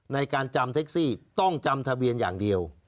ในการจำเท็กซี่ต้องจำทะเบียนอย่างเดียว